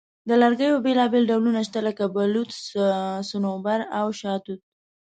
د لرګیو بیلابیل ډولونه شته، لکه بلوط، صنوبر، او شاهتوت.